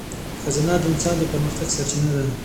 خزانه د انسان د پرمختګ سرچینه ده.